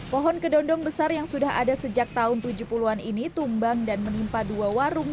pohon kedondong besar yang sudah ada sejak tahun tujuh puluh an ini tumbang dan menimpa dua warung